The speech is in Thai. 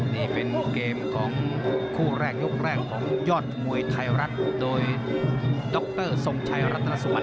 นี่เป็นเกมของคู่แรกยกแรกของยอดมวยไทยรัฐโดยดรทรงชัยรัตนสุบัน